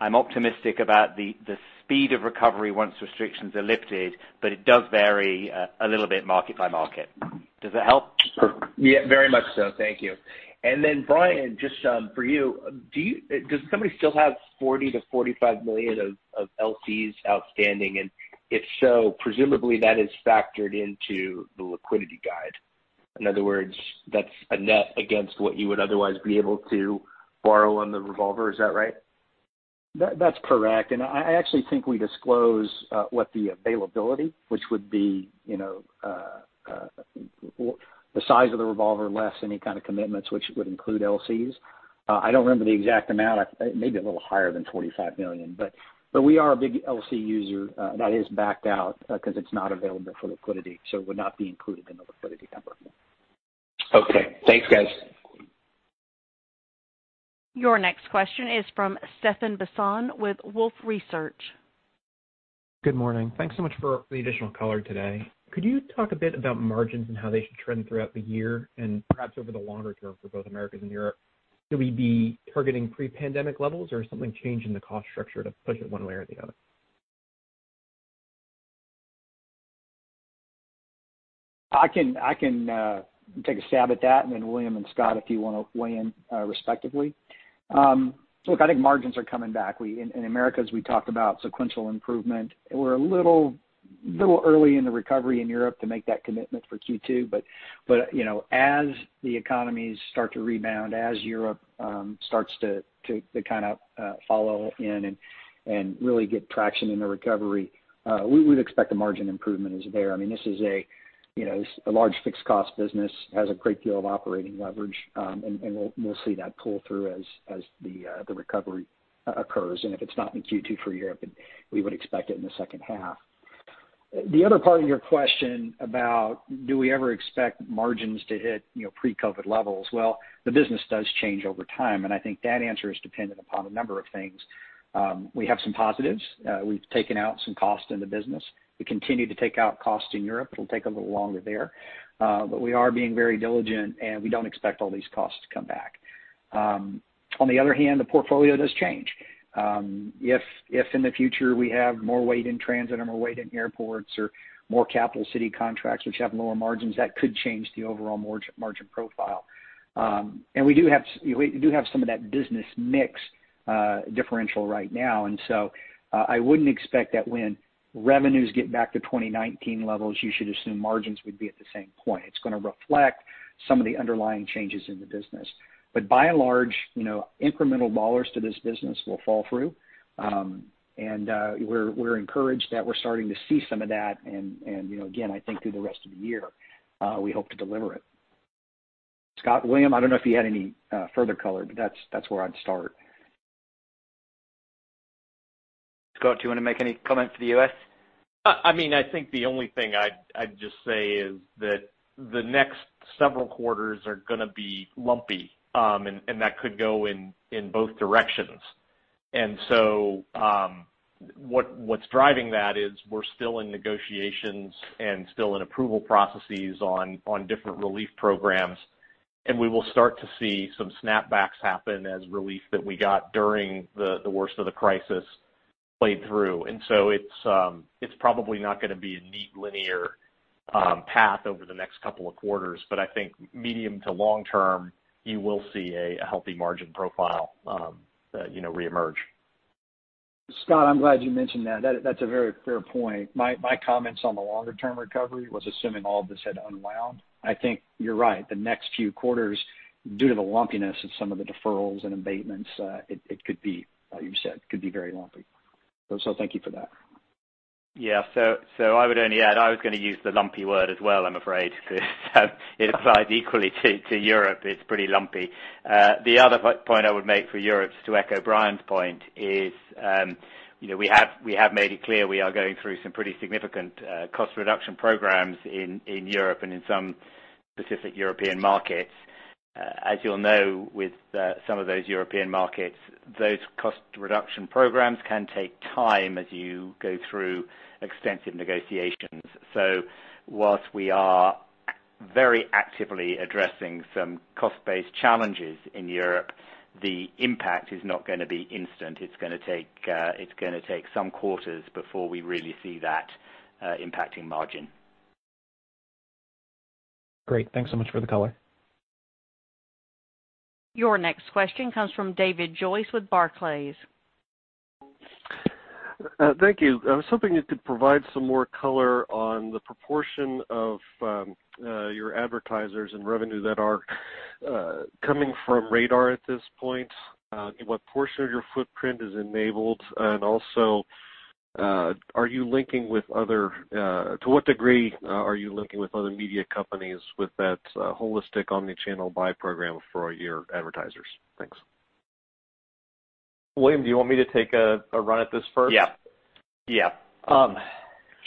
I'm optimistic about the speed of recovery once restrictions are lifted, but it does vary a little bit market by market. Does that help? Yeah. Very much so. Thank you. Brian, just for you, does the company still have $40 million-$45 million of LCs outstanding? If so, presumably that is factored into the liquidity guide. In other words, that's a net against what you would otherwise be able to borrow on the revolver. Is that right? That's correct. I actually think we disclose what the availability, which would be the size of the revolver less any kind of commitments, which would include LCs. I don't remember the exact amount. It may be a little higher than $45 million, but we are a big LC user. That is backed out because it's not available for liquidity, so it would not be included in the liquidity number. Okay. Thanks, guys. Your next question is from Stephan Bisson with Wolfe Research. Good morning. Thanks so much for the additional color today. Could you talk a bit about margins and how they should trend throughout the year and perhaps over the longer term for both Americas and Europe? Should we be targeting pre-pandemic levels or is something changing the cost structure to push it one way or the other? I can take a stab at that, then William and Scott, if you want to weigh in respectively. Look, I think margins are coming back. In Americas, we talked about sequential improvement. We're a little early in the recovery in Europe to make that commitment for Q2. As the economies start to rebound, as Europe starts to kind of follow in and really get traction in the recovery, we would expect the margin improvement is there. This is a large fixed cost business, has a great deal of operating leverage. We'll see that pull through as the recovery occurs. If it's not in Q2 for Europe, we would expect it in the second half. The other part of your question about do we ever expect margins to hit pre-COVID-19 levels? Well, the business does change over time. I think that answer is dependent upon a number of things. We have some positives. We've taken out some cost in the business. We continue to take out cost in Europe. It'll take a little longer there. We are being very diligent. We don't expect all these costs to come back. On the other hand, the portfolio does change. If in the future we have more weight in transit or more weight in airports or more capital city contracts, which have lower margins, that could change the overall margin profile. We do have some of that business mix differential right now. I wouldn't expect that when revenues get back to 2019 levels, you should assume margins would be at the same point. It's going to reflect some of the underlying changes in the business. By and large, incremental dollars to this business will fall through. We're encouraged that we're starting to see some of that and, again, I think through the rest of the year, we hope to deliver it. Scott, William, I don't know if you had any further color, but that's where I'd start. Scott, do you want to make any comment for the U.S.? I think the only thing I'd just say is that the next several quarters are going to be lumpy, and that could go in both directions. What's driving that is we're still in negotiations and still in approval processes on different relief programs, and we will start to see some snap-backs happen as relief that we got during the worst of the crisis played through. It's probably not going to be a neat linear path over the next couple of quarters, but I think medium to long term, you will see a healthy margin profile reemerge. Scott, I'm glad you mentioned that. That's a very fair point. My comments on the longer-term recovery was assuming all of this had unwound. I think you're right. The next few quarters, due to the lumpiness of some of the deferrals and abatements, it could be, like you said, very lumpy. Thank you for that. Yeah. I would only add, I was going to use the lumpy word as well, I'm afraid, because it applies equally to Europe. It's pretty lumpy. The other point I would make for Europe, to echo Brian's point, is we have made it clear we are going through some pretty significant cost reduction programs in Europe and in some specific European markets. You'll know with some of those European markets, those cost reduction programs can take time as you go through extensive negotiations. Whilst we are very actively addressing some cost-based challenges in Europe, the impact is not going to be instant. It's going to take some quarters before we really see that impacting margin. Great. Thanks so much for the color. Your next question comes from David Joyce with Barclays. Thank you. I was hoping you could provide some more color on the proportion of your advertisers and revenue that are coming from RADAR at this point. What portion of your footprint is enabled, and also, to what degree are you linking with other media companies with that holistic omnichannel buy program for your advertisers? Thanks. William, do you want me to take a run at this first? Yeah.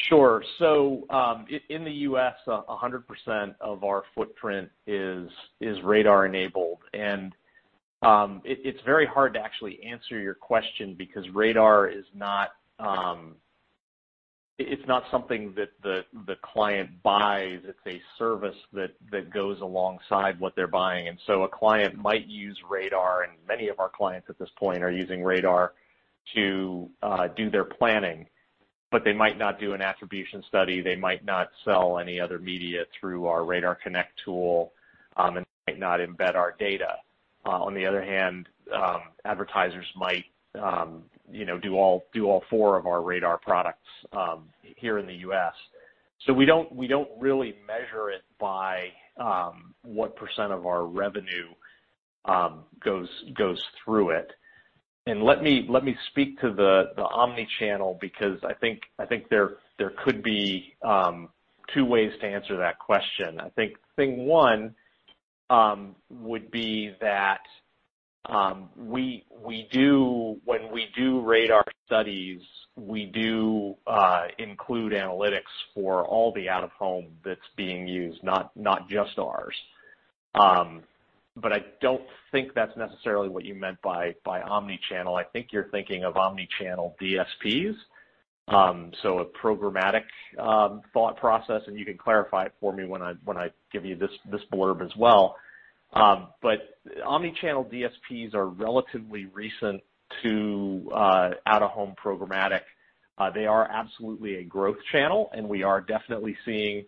Sure. In the U.S., 100% of our footprint is RADAR-enabled, and it's very hard to actually answer your question because RADAR is not something that the client buys. It's a service that goes alongside what they're buying. A client might use RADAR, and many of our clients at this point are using RADAR to do their planning, but they might not do an attribution study. They might not sell any other media through our RADARConnect tool, and they might not embed our data. On the other hand, advertisers might do all four of our RADAR products here in the U.S. We don't really measure it by what percent of our revenue goes through it. Let me speak to the omnichannel because I think there could be two ways to answer that question. I think thing one would be that when we do RADAR studies, we do include analytics for all the out-of-home that's being used, not just ours. I don't think that's necessarily what you meant by omnichannel. I think you're thinking of omnichannel DSPs, so a programmatic thought process, you can clarify it for me when I give you this blurb as well. Omnichannel DSPs are relatively recent to out-of-home programmatic. They are absolutely a growth channel, we are definitely seeing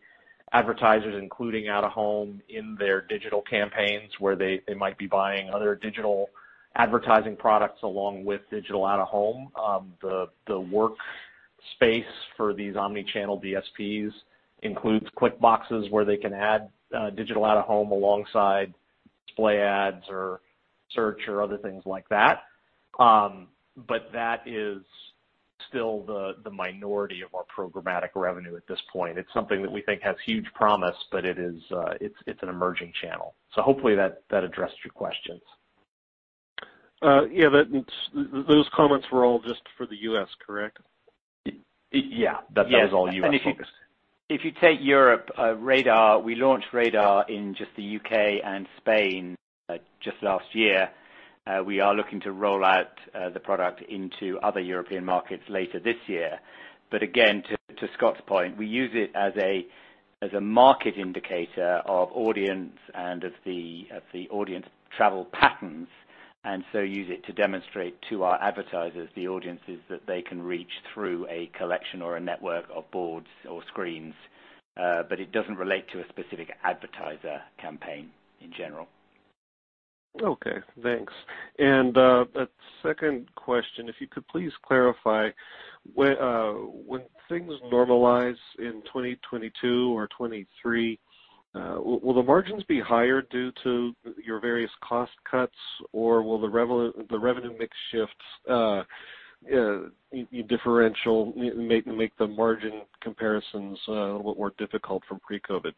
advertisers including out-of-home in their digital campaigns where they might be buying other digital advertising products along with digital out-of-home. The workspace for these omnichannel DSPs includes click boxes where they can add digital out-of-home alongside display ads or search or other things like that. That is still the minority of our programmatic revenue at this point. It's something that we think has huge promise, but it's an emerging channel. Hopefully that addressed your questions. Yeah, those comments were all just for the U.S., correct? Yeah. That was all U.S.-focused. If you take Europe, RADAR, we launched RADAR in just the U.K. and Spain just last year. We are looking to roll out the product into other European markets later this year. Again, to Scott's point, we use it as a market indicator of audience and of the audience travel patterns, and so use it to demonstrate to our advertisers the audiences that they can reach through a collection or a network of boards or screens. It doesn't relate to a specific advertiser campaign in general. Okay, thanks. A second question, if you could please clarify, when things normalize in 2022 or 2023, will the margins be higher due to your various cost cuts, or will the revenue mix shifts differential make the margin comparisons a little more difficult from pre-COVID?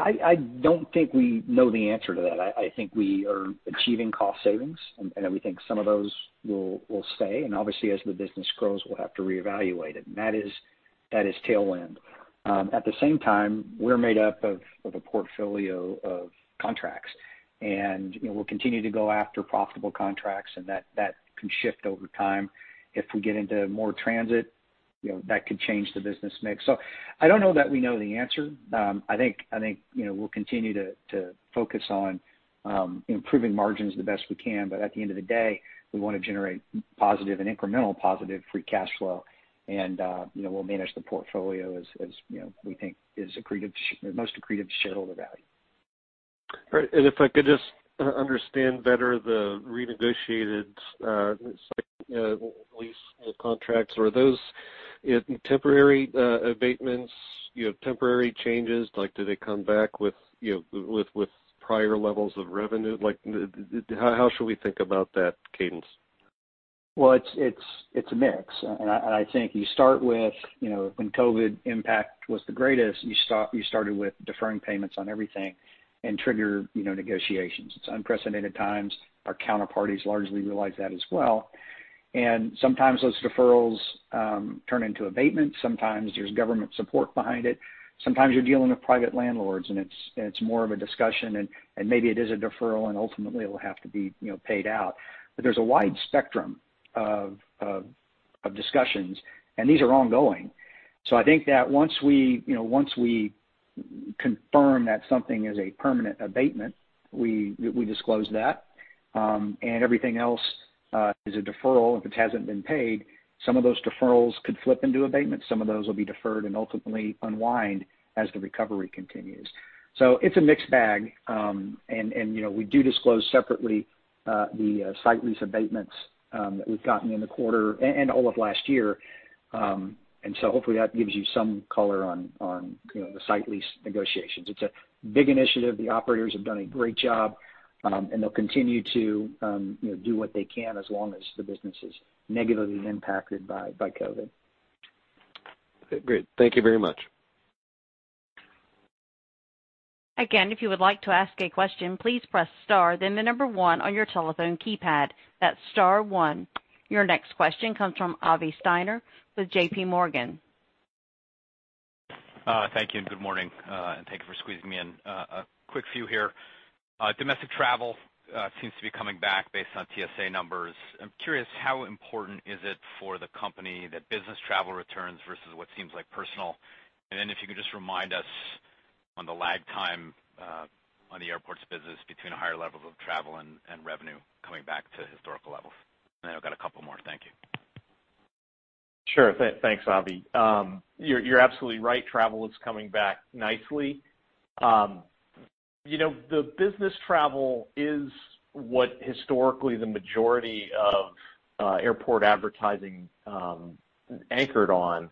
I don't think we know the answer to that. I think we are achieving cost savings, and we think some of those will stay, and obviously, as the business grows, we'll have to reevaluate it. That is tailwind. At the same time, we're made up of a portfolio of contracts, and we'll continue to go after profitable contracts, and that can shift over time. If we get into more transit, that could change the business mix. I don't know that we know the answer. I think we'll continue to focus on improving margins the best we can. At the end of the day, we want to generate positive and incremental positive free cash flow, and we'll manage the portfolio as we think is most accretive to shareholder value. All right. If I could just understand better the renegotiated contracts. Were those temporary abatements, temporary changes? Do they come back with prior levels of revenue? How should we think about that cadence? Well, it's a mix, and I think you start with when COVID-19 impact was the greatest, you started with deferring payments on everything and trigger negotiations. It's unprecedented times. Our counterparties largely realize that as well, and sometimes those deferrals turn into abatement. Sometimes there's government support behind it. Sometimes you're dealing with private landlords, and it's more of a discussion, and maybe it is a deferral, and ultimately, it'll have to be paid out. There's a wide spectrum of discussions, and these are ongoing. I think that once we confirm that something is a permanent abatement, we disclose that, and everything else is a deferral if it hasn't been paid. Some of those deferrals could flip into abatement. Some of those will be deferred and ultimately unwind as the recovery continues. It's a mixed bag, and we do disclose separately the site lease abatements that we've gotten in the quarter and all of last year. Hopefully that gives you some color on the site lease negotiations. It's a big initiative. The operators have done a great job, and they'll continue to do what they can as long as the business is negatively impacted by COVID. Great. Thank you very much. Again, if you would like to ask a question, please press star, then the number one on your telephone keypad, that's star one. Your next question comes from Avi Steiner with JPMorgan. Thank you, and good morning. Thank you for squeezing me in. A quick few here. Domestic travel seems to be coming back based on TSA numbers. I'm curious, how important is it for the company that business travel returns versus what seems like personal? If you could just remind us on the lag time on the airports business between higher levels of travel and revenue coming back to historical levels. I've got a couple more. Thank you. Sure. Thanks, Avi. You're absolutely right. Travel is coming back nicely. The business travel is what historically the majority of airport advertising anchored on.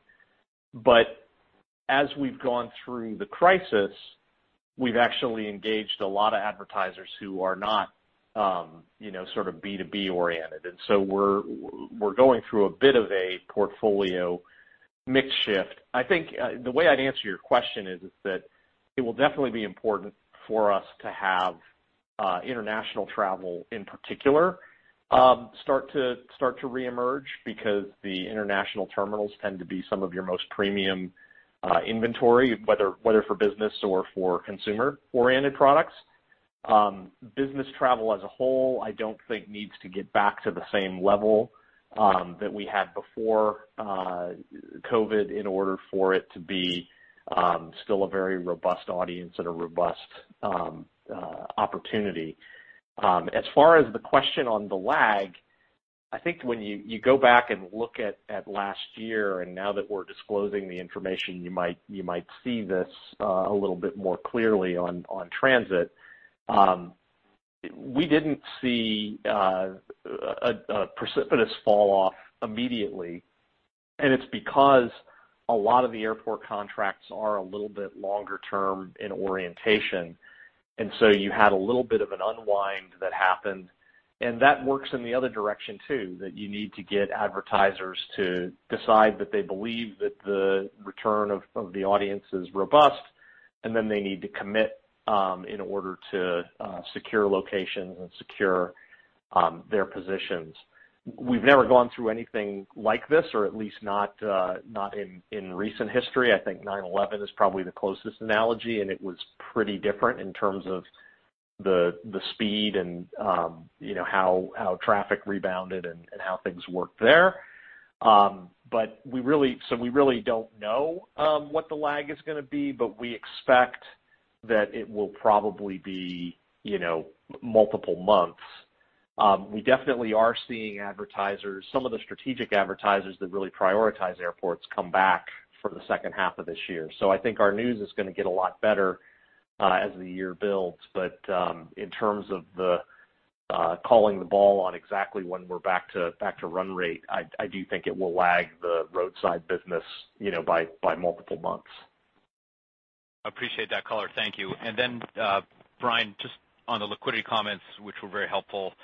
As we've gone through the crisis, we've actually engaged a lot of advertisers who are not B2B-oriented, and so we're going through a bit of a portfolio mix shift. I think the way I'd answer your question is that it will definitely be important for us to have international travel in particular start to reemerge because the international terminals tend to be some of your most premium inventory, whether for business or for consumer-oriented products. Business travel as a whole, I don't think needs to get back to the same level that we had before COVID in order for it to be still a very robust audience and a robust opportunity. As far as the question on the lag, I think when you go back and look at last year, and now that we're disclosing the information, you might see this a little bit more clearly on transit. We didn't see a precipitous fall-off immediately, and it's because a lot of the airport contracts are a little bit longer-term in orientation, and so you had a little bit of an unwind that happened. That works in the other direction too, that you need to get advertisers to decide that they believe that the return of the audience is robust, and then they need to commit in order to secure locations and secure their positions. We've never gone through anything like this, or at least not in recent history. I think 9/11 is probably the closest analogy, and it was pretty different in terms of the speed and how traffic rebounded and how things worked there. We really don't know what the lag is going to be, but we expect that it will probably be multiple months. We definitely are seeing advertisers, some of the strategic advertisers that really prioritize airports, come back for the second half of this year. I think our news is going to get a lot better as the year builds. In terms of calling the ball on exactly when we're back to run rate, I do think it will lag the roadside business by multiple months. I appreciate that color. Thank you. Brian, just on the liquidity comments, which were very helpful,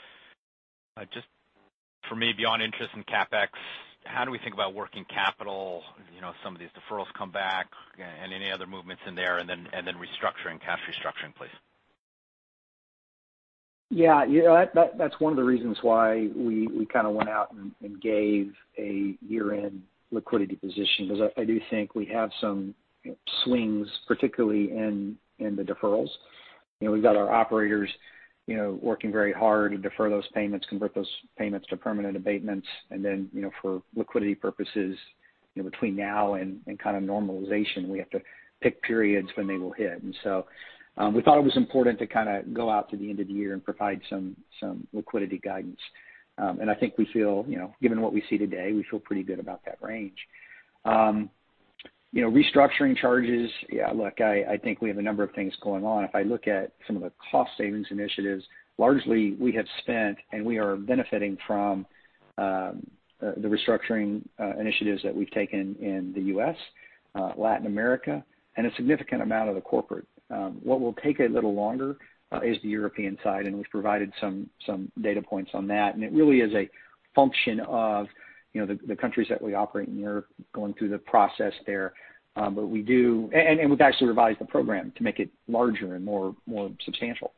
just for me, beyond interest in CapEx, how do we think about working capital, some of these deferrals come back, and any other movements in there, and then restructuring, cash restructuring, please? Yeah. That's one of the reasons why we went out and gave a year-end liquidity position, because I do think we have some swings, particularly in the deferrals. We've got our operators working very hard to defer those payments, convert those payments to permanent abatements. Then, for liquidity purposes, between now and normalization, we have to pick periods when they will hit. So, we thought it was important to go out to the end of the year and provide some liquidity guidance. I think we feel, given what we see today, we feel pretty good about that range. Restructuring charges, yeah, look, I think we have a number of things going on. If I look at some of the cost savings initiatives, largely, we have spent and we are benefiting from the restructuring initiatives that we've taken in the U.S., Latin America, and a significant amount of the corporate. What will take a little longer is the European side, and we've provided some data points on that. It really is a function of the countries that we operate in Europe going through the process there. We've actually revised the program to make it larger and more substantial.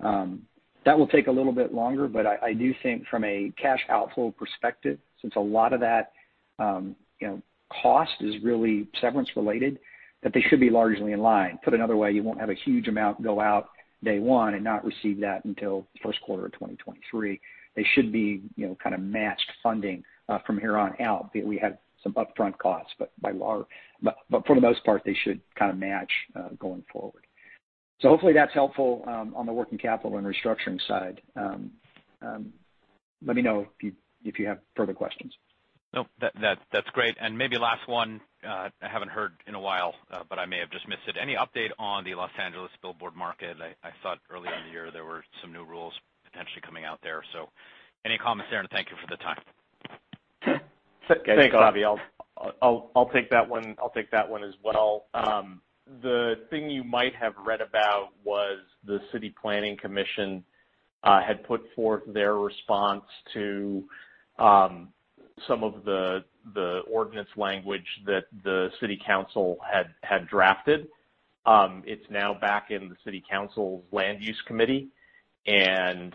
That will take a little bit longer, but I do think from a cash outflow perspective, since a lot of that cost is really severance related, that they should be largely in line. Put another way, you won't have a huge amount go out day one and not receive that until the first quarter of 2023. They should be matched funding from here on out. We have some upfront costs. For the most part, they should match going forward. Hopefully that's helpful on the working capital and restructuring side. Let me know if you have further questions. No, that's great. Maybe last one, I haven't heard in a while, but I may have just missed it. Any update on the Los Angeles billboard market? I thought early in the year there were some new rules potentially coming out there. Any comments there, and thank you for the time. Thanks, Avi. I'll take that one as well. The thing you might have read about was the City Planning Commission had put forth their response to some of the ordinance language that the city council had drafted. It's now back in the city council's land use committee, and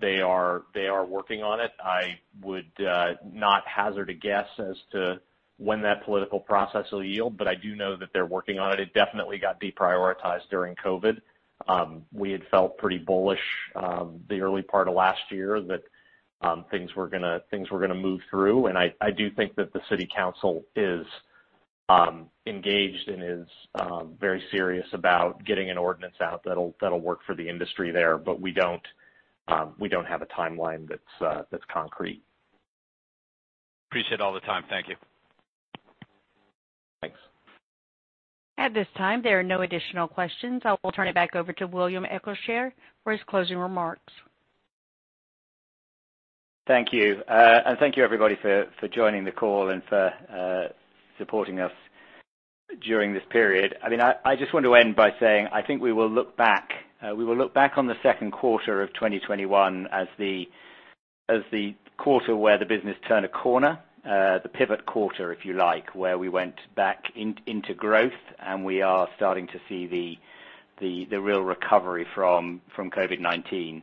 they are working on it. I would not hazard a guess as to when that political process will yield, but I do know that they're working on it. It definitely got deprioritized during COVID. We had felt pretty bullish the early part of last year that things were going to move through, and I do think that the city council is engaged and is very serious about getting an ordinance out that'll work for the industry there, but we don't have a timeline that's concrete. Appreciate all the time. Thank you. Thanks. At this time, there are no additional questions. I will turn it back over to William Eccleshare for his closing remarks. Thank you. Thank you everybody for joining the call and for supporting us during this period. I just want to end by saying, I think we will look back on the second quarter of 2021 as the quarter where the business turned a corner, the pivot quarter, if you like, where we went back into growth, and we are starting to see the real recovery from COVID-19.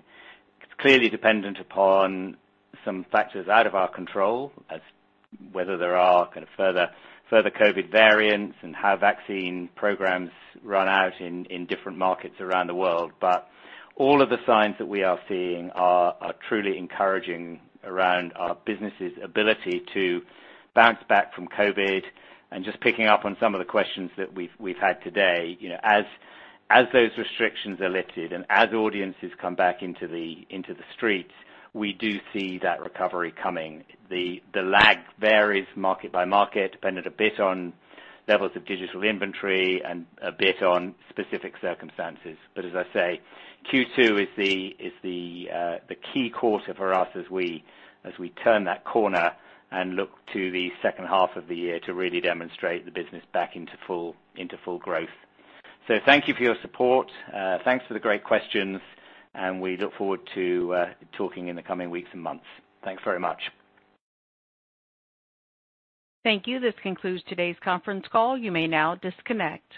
It's clearly dependent upon some factors out of our control, as whether there are further COVID variants and how vaccine programs run out in different markets around the world. All of the signs that we are seeing are truly encouraging around our business's ability to bounce back from COVID. Just picking up on some of the questions that we've had today, as those restrictions are lifted and as audiences come back into the streets, we do see that recovery coming. The lag varies market by market, dependent a bit on levels of digital inventory and a bit on specific circumstances. As I say, Q2 is the key quarter for us as we turn that corner and look to the second half of the year to really demonstrate the business back into full growth. Thank you for your support. Thanks for the great questions, and we look forward to talking in the coming weeks and months. Thanks very much. Thank you. This concludes today's conference call. You may now disconnect.